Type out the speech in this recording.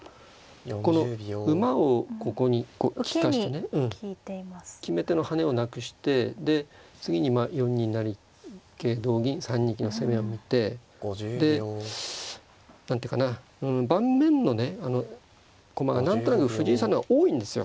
この馬をここに利かしてね決め手の跳ねをなくしてで次にまあ４二成桂同銀３二金の攻めを見てで何ていうかな盤面のね駒が何となく藤井さんの方が多いんですよ